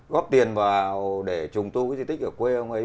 góp tiền vào để trùng tu cái di tích ở quê ông ấy